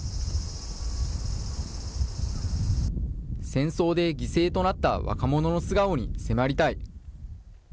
戦争で犠牲となった若者の素顔に迫りたい。